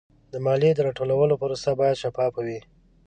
د مالیې د راټولولو پروسه باید شفافه وي.